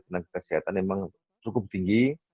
tenaga kesehatan memang cukup tinggi